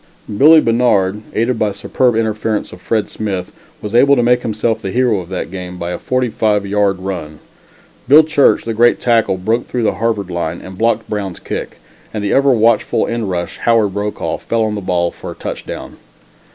Billie Bannard, aided by superb interference of Fred Smith, was able to make himself the hero of that game by a forty five yard run. Bill Church the great tackle broke through the Harvard line and blocked Brown's kick, and the ever watchful end rush, Howard Brokaw, fell on the ball for a touchdown.